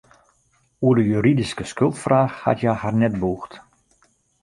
Oer de juridyske skuldfraach hat hja har net bûgd.